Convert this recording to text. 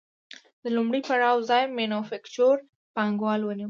د لومړي پړاو ځای مینوفکچور پانګوالي ونیو